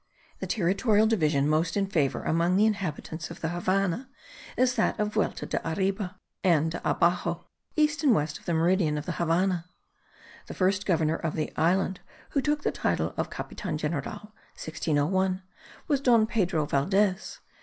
The territorial division most in favour among the inhabitants of the Havannah, is that of vuelta de arriba and de abaxo, east and west of the meridian of the Havannah. The first governor of the island who took the title of Captain general (1601) was Don Pedro Valdes.